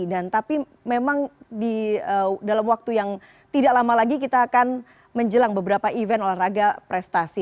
dan tapi memang dalam waktu yang tidak lama lagi kita akan menjelang beberapa event olahraga prestasi